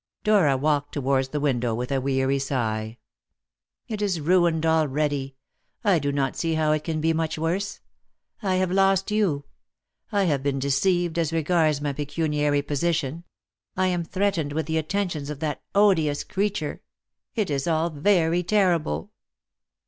Dora walked towards the window with a weary sigh. "It is ruined already; I do not see how it can be much worse. I have lost you; I have been deceived as regards my pecuniary position; I am threatened with the attentions of that odious creature. It is all very terrible."